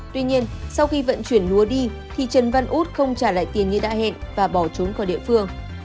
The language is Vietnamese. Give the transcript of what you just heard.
tuy nhiên sau khi vận chuyển lúa đi thì trần văn út không trả lại tiền như đã hẹn và bỏ trốn khỏi địa phương